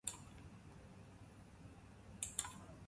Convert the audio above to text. Bilboko Arriaga antzokian bukatu zen Korrika.